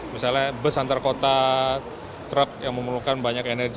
misalnya bus antar kota truk yang memerlukan banyak energi